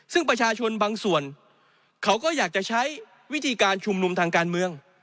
ซึ่งประชาชนบางส่วนเขาก็อยากจะใช้วิธีการชุมนุมทางการเมือง